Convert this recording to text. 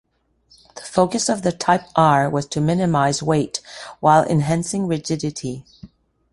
The focus of the Type R was to minimize weight while enhancing rigidity.